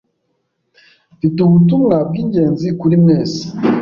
Mfite ubutumwa bwingenzi kuri mwese.